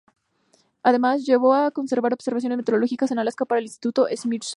Además llevó a cabo observaciones meteorológicas en Alaska para la Instituto Smithsonian.